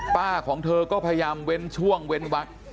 ของเธอก็พยายามเว้นช่วงเว้นวัก